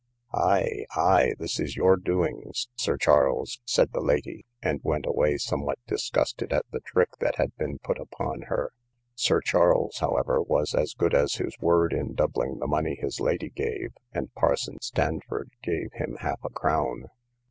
Ay, ay, this is your doings, Sir Charles, said the lady; and went away somewhat disgusted at the trick that had been put upon her. Sir Charles, however, was as good as his word, in doubling the money his lady gave, and parson Standford gave him half a crown.